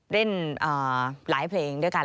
เล่นหลายเพลงด้วยกัน